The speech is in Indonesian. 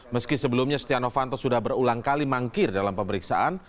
meski sebelumnya setia novanto sudah berulang kali mangkir dalam pemeriksaan